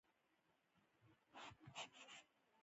بخاري د ګرمښت لپاره یو له مهمو وسایلو څخه ده.